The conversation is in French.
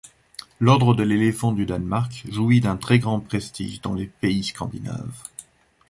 L’ordre de l’Éléphant du Danemark jouit d’un très grand prestige dans les pays scandinaves.